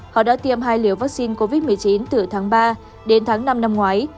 họ đã tiêm hai liều vaccine covid một mươi chín từ tháng ba đến tháng năm năm ngoái